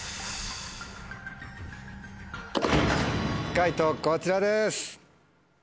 解答こちらです。